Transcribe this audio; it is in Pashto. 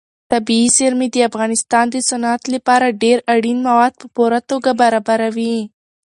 طبیعي زیرمې د افغانستان د صنعت لپاره ډېر اړین مواد په پوره توګه برابروي.